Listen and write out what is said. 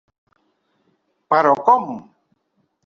Però, com?